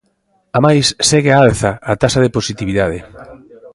Amais segue á alza a taxa de positividade.